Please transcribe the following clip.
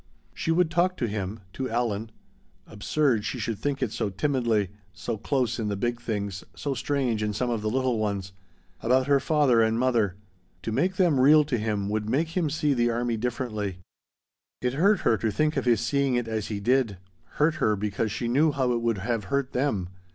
She would talk to him to Alan (absurd she should think it so timidly so close in the big things so strange in some of the little ones) about her father and mother. To make them real to him would make him see the army differently. It hurt her to think of his seeing it as he did, hurt her because she knew how it would have hurt them.